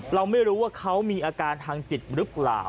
เราไม่รู้ว่าเขามีอาการทางจิตหรือเปล่า